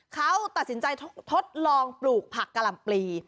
เขาตัดสินใจทดลองปลูกผักกะหล่ำปลี